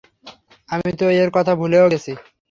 আমি তো এর কথা ভুলেও গেছি।